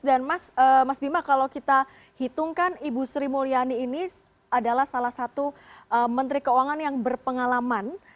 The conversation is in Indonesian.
dan mas bima kalau kita hitungkan ibu sri mulyani ini adalah salah satu menteri keuangan yang berpengalaman